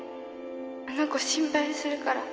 あの子心配するから